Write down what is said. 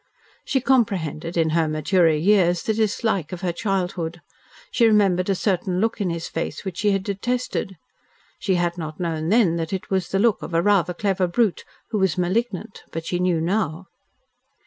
She comprehended, in her maturer years, the dislike of her childhood. She remembered a certain look in his face which she had detested. She had not known then that it was the look of a rather clever brute, who was malignant, but she knew now.